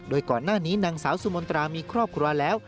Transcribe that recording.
โดยก่อนหน้านี้นางสาวสุมนตรามีครอบครัวแล้ว